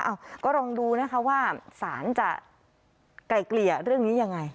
ก็ลองดูนะคะว่าสารจะไกลเกลี่ยเรื่องนี้ยังไง